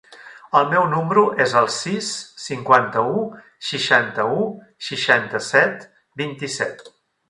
El meu número es el sis, cinquanta-u, seixanta-u, seixanta-set, vint-i-set.